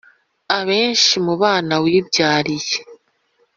Abenshi mu bana wibyariye,